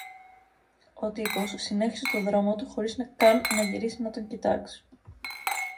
Ο τύπος συνέχισε το δρόμο του χωρίς καν να γυρίσει να τον κοιτάξει